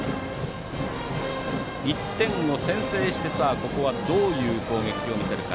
１点を先制してここはどういう攻撃を見せるか。